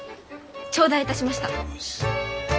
頂戴いたしました！